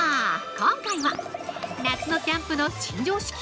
今回は夏のキャンプの新常識！？